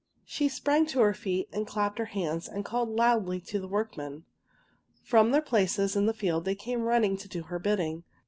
She sprang to her feet and clapped her hands and called loudly to the workmen. From their places in the field they came running to do her bidding.